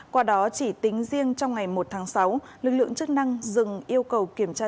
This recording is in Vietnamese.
qua đó chỉ tính riêng trong ngày một tháng sáu lực lượng chức năng dừng yêu cầu kiểm tra